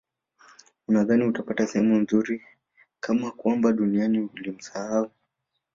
unadhani utapata sehemu nzuri kama kwamba duniani ulimsahau